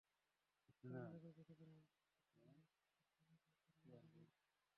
কারণ, দেখা গেছে গ্রামাঞ্চলে একটি গভীর নলকূপের পানি বহু পরিবার ব্যবহার করে।